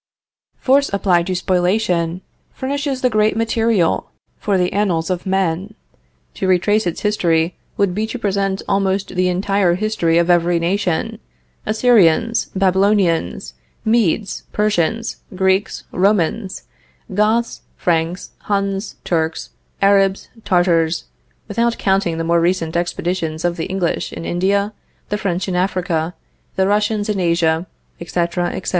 Force applied to spoliation, furnishes the great material for the annals of men. To retrace its history would be to present almost the entire history of every nation: Assyrians, Babylonians, Medes, Persians, Greeks, Romans, Goths, Franks, Huns, Turks, Arabs, Tartars, without counting the more recent expeditions of the English in India, the French in Africa, the Russians in Asia, etc., etc.